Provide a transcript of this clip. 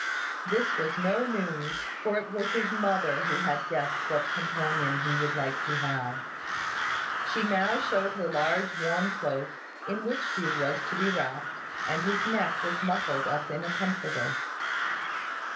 This was no news; for it was his mother who had guessed what companion he would like to have. She now showed her large warm cloak, in which Hugh was to be wrapped; and his neck was muffled up in a comforter.